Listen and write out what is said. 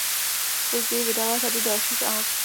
Později vydala řadu dalších alb.